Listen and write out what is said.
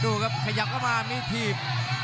ดูครับขยับเข้ามามีถีบ